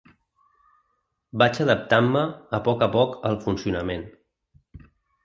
Vaig adaptant-me a poc a poc al funcionament.